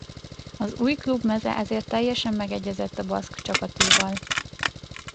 Az új klub meze ezért teljesen megegyezett a baszk csapatéval.